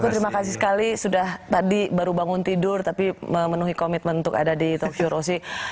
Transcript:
aku terima kasih sekali tadi baru bangun tidur tapi memenuhi komitmen untuk ada di talk show rosie